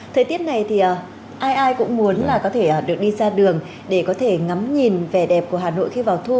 thời tiết này thì ai ai cũng muốn là có thể được đi ra đường để có thể ngắm nhìn vẻ đẹp của hà nội khi vào thu